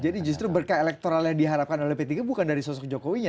jadi justru berkah elektoral yang diharapkan oleh p tiga bukan dari sosok jokowi nya